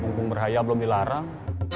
bungkung berhayal belum dilarang